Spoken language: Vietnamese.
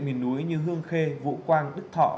miền núi như hương khê vũ quang đức thọ